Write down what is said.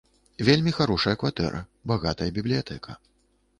Вельмі харошая кватэра, багатая бібліятэка.